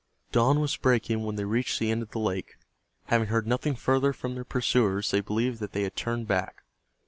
Dawn was breaking when they reached the end of the lake. Having heard nothing further from their pursuers they believed that they had turned back.